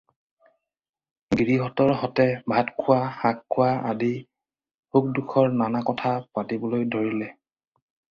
গিৰিহঁতৰ স'তে ভাত খোৱা, শাক খোৱা আদি সুখ-দুখৰ নানা কথা পাতিবলৈ ধৰিলে।